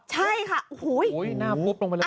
ใช่ค่ะโอ้โหหน้าฟุบลงไปเลย